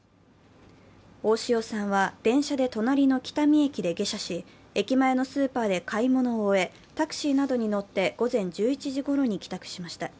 大塩さんは、電車で隣の喜多見駅で下車し、駅前のスーパーで買い物を終え、タクシーなどに乗って午前１１時ごろに帰宅しました。